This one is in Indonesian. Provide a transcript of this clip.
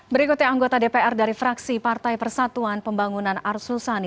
berikutnya anggota dpr dari fraksi partai persatuan pembangunan arsulsani